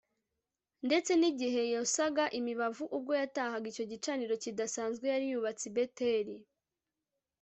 Ndetse nigihe yosaga imibavu ubwo yatahaga icyo gicaniro kidasanzwe yari yubatse i Beteli